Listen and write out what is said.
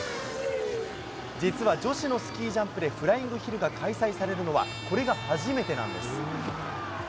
実は女子のスキージャンプでフライングヒルが開催されるのは、これが初めてなんです。